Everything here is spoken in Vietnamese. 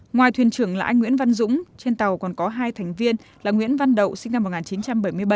ngoài thuyền trưởng là anh nguyễn văn dũng trên tàu còn có hai thành viên là nguyễn văn đậu sinh năm một nghìn chín trăm bảy mươi bảy